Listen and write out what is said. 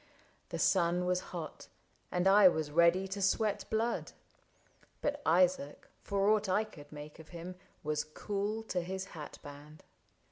The sun Was hot, and I was ready to sweat blood ; But Isaac, for aught I could make of him, Was cool to his hat band.